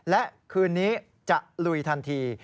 และคืนนี้จะลุยทันที